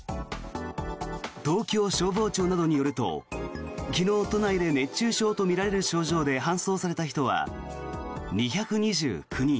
東京消防庁などによると昨日、都内で熱中症とみられる症状で搬送された人は２２９人。